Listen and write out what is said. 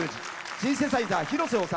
シンセサイザー、広瀬修。